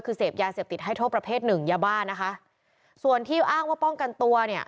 คือเสพยาเสพติดให้โทษประเภทหนึ่งยาบ้านะคะส่วนที่อ้างว่าป้องกันตัวเนี่ย